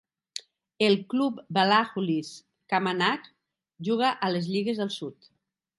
El Club Ballachulish Camanachd juga a les lligues del sud.